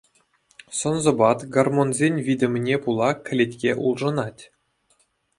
Сӑн-сӑпат, гормонсен витӗмне пула кӗлетке улшӑнать.